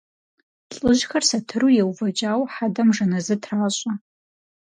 Лӏыжьхэр сатыру еувэкӏауэ хьэдэм жэназы тращӏэ.